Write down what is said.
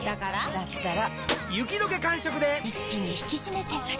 だったら。